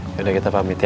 yaudah kita pamit ya